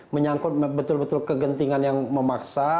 menyangkut betul betul kegentingan yang memaksa